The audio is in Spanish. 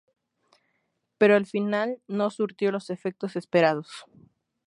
Pero al final no surtió los efectos esperados.